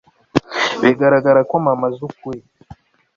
Bigaragara ko mama azi ukuri